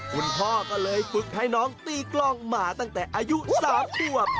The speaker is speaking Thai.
คุณพ่อก็เลยฝึกให้น้องตีกล้องมาตั้งแต่อายุ๓ขวบ